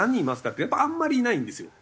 ってやっぱあんまりいないんですよ。